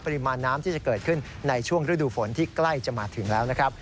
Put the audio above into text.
ปริมาณน้ำที่จะเกิดขึ้นในช่วงฤดูฝนที่ใกล้จะมาถึงแล้วนะครับ